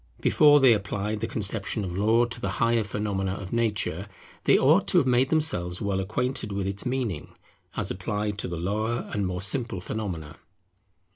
Before they applied the conception of Law to the higher phenomena of nature, they ought to have made themselves well acquainted with its meaning, as applied to the lower and more simple phenomena.